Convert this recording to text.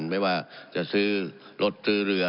ไม่ว่าจะซื้อรถซื้อเรือ